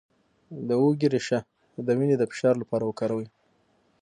د هوږې ریښه د وینې د فشار لپاره وکاروئ